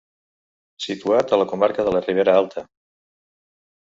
Situat a la comarca de la Ribera Alta.